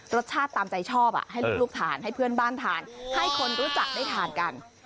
รสชาติตามใจชอบให้ลูกทานให้เพื่อนบ้านทานให้คนรู้จักได้ทานกัน